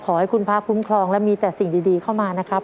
ขอให้คุณพระคุ้มครองและมีแต่สิ่งดีเข้ามานะครับ